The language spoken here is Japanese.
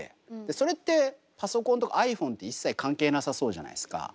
それってパソコンとかｉＰｈｏｎｅって一切関係なさそうじゃないですか。